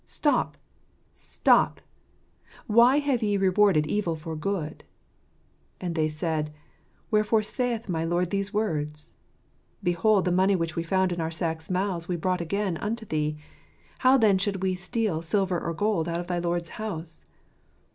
" Stop ! Stop ! Why have ye rewarded evil for good ?" And they said, " Where fore saith my lord these words ? Behold, the money which we found in our sacks' mouths we brought again unto thee : how then should we steal silver or gold out of thy lord's house